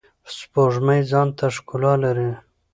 سپوږمۍ ځانته ښکلا لری.